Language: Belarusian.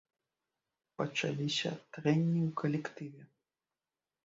Пачаліся трэнні ў калектыве.